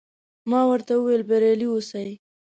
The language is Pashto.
ما وویل، بریالي اوسئ.